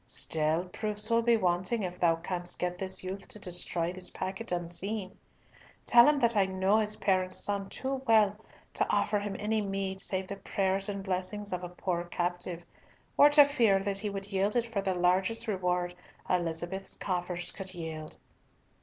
Still proofs will be wanting if thou canst get this youth to destroy this packet unseen. Tell him that I know his parents' son too well to offer him any meed save the prayers and blessings of a poor captive, or to fear that he would yield it for the largest reward Elizabeth's coffers could yield."